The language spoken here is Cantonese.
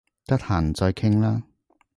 得閒再傾啦